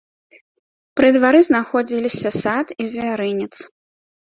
Пры двары знаходзіліся сад і звярынец.